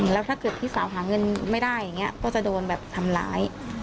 แล้วถ้าเกิดพี่สาวหาเงินไม่ได้อย่างนี้ก็จะโดนแบบทำร้าย